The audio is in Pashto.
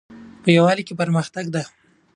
په یووالي کې پرمختګ ده